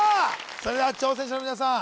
それでは挑戦者の皆さん